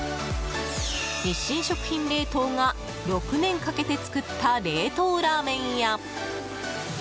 日清食品冷凍が６年かけて作った冷凍ラーメンや。